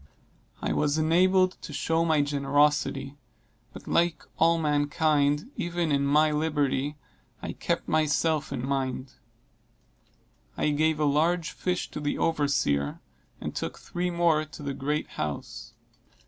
I was enabled to show my generosity, but, like all mankind, even in my liberality, I kept myself in mind. I gave a large fish to the overseer, and took three more to the great house.